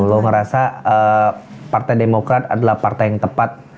lo merasa partai demokrat adalah partai yang tepat